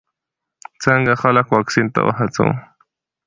څنګه خلک واکسین ته وهڅوو؟